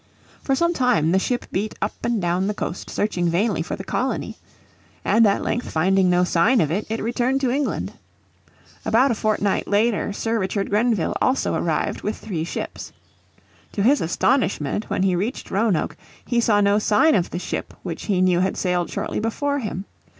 For some time the ship beat up and down the coast searching vainly for the colony. And at length finding no sign of it, it returned to England. About a fortnight later Sir Richard Grenville also arrived with three ships. To his astonishment when he reached Roanoke he saw no sign of the ship which he knew had sailed shortly before him.